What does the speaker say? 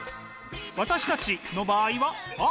私たちの場合はａｒｅ。